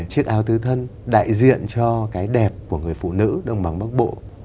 chiếc áo tứ thân đại diện cho cái đẹp của người phụ nữ đông bằng bắc bộ